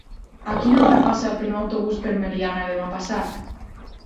A quina hora passa el primer autobús per Meliana demà passat?